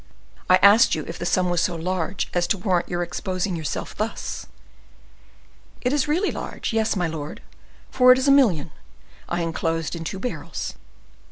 I asked you if the sum was so large as to warrant your exposing yourself thus." "It is really large; yes, my lord, for it is a million I inclosed in two barrels."